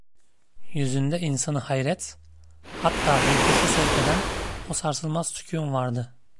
Yüzünde insanı hayret, hatta hiddete sevk eden o sarsılmaz sükûn vardı.